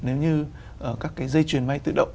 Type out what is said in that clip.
nếu như các dây chuyền may tự động